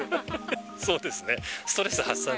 そうですね。